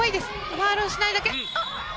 ファウルをしないだけ。